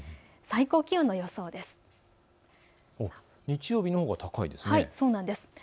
最高気温の予想です。